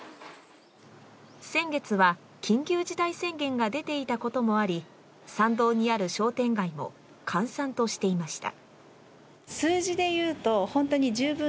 先月は緊急事態宣言が出ていたこともあり参道にある商店街も閑散としていました。